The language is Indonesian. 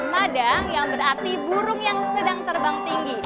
padang yang berarti burung yang sedang terbang tinggi